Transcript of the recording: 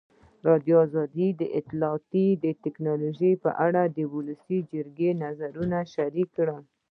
ازادي راډیو د اطلاعاتی تکنالوژي په اړه د ولسي جرګې نظرونه شریک کړي.